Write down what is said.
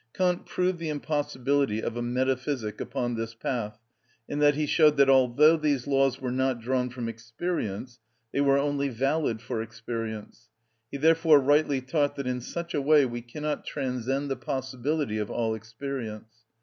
Kant proved the impossibility of a metaphysic upon this path, in that he showed that although these laws were not drawn from experience, they were only valid for experience. He therefore rightly taught that in such a way we cannot transcend the possibility of all experience.